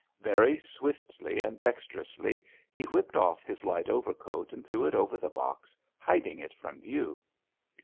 Very swiftly and dexterously he whipped off his light overcoat and threw it over the box, hiding it from view.